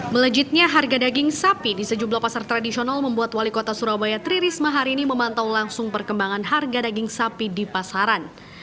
melejitnya harga daging sapi di sejumlah pasar tradisional membuat wali kota surabaya tri risma hari ini memantau langsung perkembangan harga daging sapi di pasaran